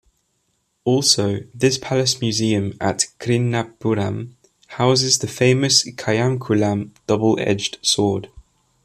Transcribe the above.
Also, this palace museum at Krishnapuram houses the famous Kayamkulam double-edged sword.